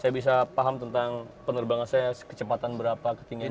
saya bisa paham tentang penerbangan saya kecepatan berapa ketinggian